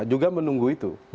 juga menunggu itu